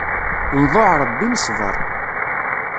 Nḍuɛ Ṛebbi, nesbeṛ.